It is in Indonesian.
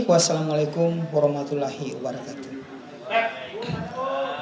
wassalamu'alaikum warahmatullahi wabarakatuh